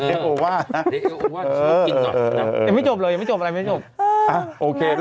ยังไม่จบหรอ